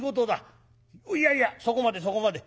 いやいやそこまでそこまで。